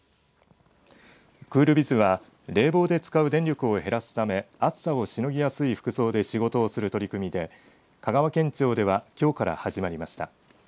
クールビズは冷房で使う電力を減らすため暑さをしのぎやすい服装で仕事をする取り組みで香川県庁ではきょうから始まりました。